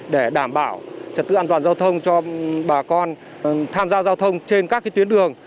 để đảm bảo trật tự an toàn giao thông cho bà con tham gia giao thông trên các tuyến đường